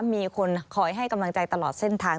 มีคนคอยให้กำลังใจตลอดเส้นทาง